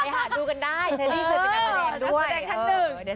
ไปหาดูกันได้เธอดีกว่าเป็นนักแสดงด้วยเออนักแสดงทั้งหนึ่ง